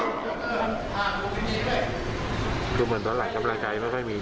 คือเหมือนว่าหลายกำลังใจไม่ค่อยมีด้วย